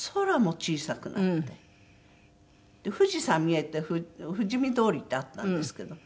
富士山見えて富士見通りってあったんですけど